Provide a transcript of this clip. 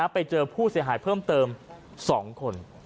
ไปเจอผู้เสียหายเพิ่มเติม๒คน